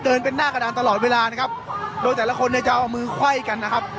เดินเป็นหน้ากระดานตลอดเวลานะครับโดยแต่ละคนเนี่ยจะเอามือไขว้กันนะครับ